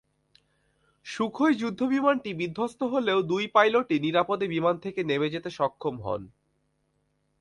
Sukhoi যুদ্ধবিমানটি বিধ্বস্ত হলেও দুই পাইলটই নিরাপদে বিমান থেকে নেমে যেতে সক্ষম হন।